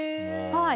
はい。